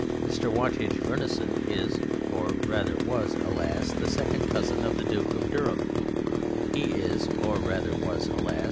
Mr. Wantage Verneyson is (or rather was, alas!) the second cousin of the Duke of Durham (he is or rather was, alas!